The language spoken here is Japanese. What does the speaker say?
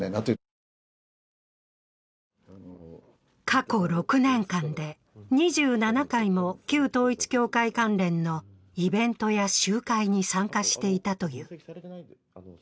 過去６年間で２７回も旧統一教会関連のイベントや集会に参加していたという。